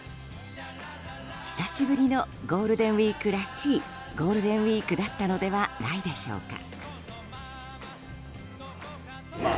久しぶりのゴールデンウィークらしいゴールデンウィークだったのではないでしょうか。